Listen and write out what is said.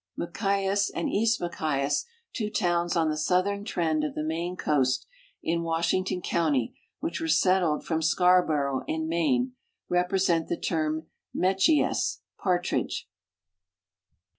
Machias and East Machias, two towns on the southern trend of the Maine coast, in Washington county, which were settled from Scar borough, in Maine, represent the term metchi(^ss, partridge.